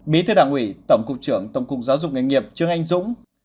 bí thư đảng ủy tổng cục trưởng tổng cục giáo dục nghề nghiệp trương anh dũng